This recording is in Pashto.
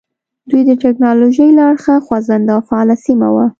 دوی د ټکنالوژۍ له اړخه خوځنده او فعاله سیمه وه.